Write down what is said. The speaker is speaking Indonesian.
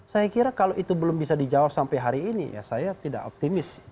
saya kira kalau itu belum bisa dijawab sampai hari ini ya saya tidak optimis